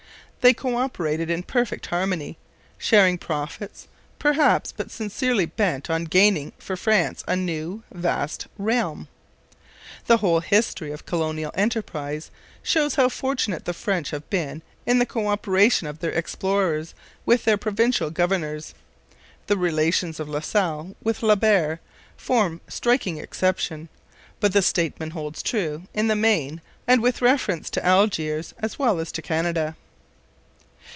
They co operated in perfect harmony, sharing profits, perhaps, but sincerely bent on gaining for France a new, vast realm. The whole history of colonial enterprise shows how fortunate the French have been in the co operation of their explorers with their provincial governors. The relations of La Salle with La Barre form a striking exception, but the statement holds true in the main, and with reference to Algiers as well as to Canada.